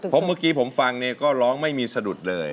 พบเมื่อกี้ผมฟังก็ร้องไม่มีสะดุดเลย